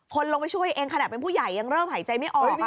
ลงไปช่วยเองขนาดเป็นผู้ใหญ่ยังเริ่มหายใจไม่ออก